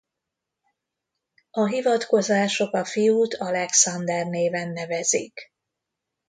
A hivatkozások a fiút Alexander néven nevezik.